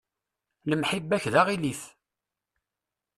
Lemḥibba-k d aɣilif.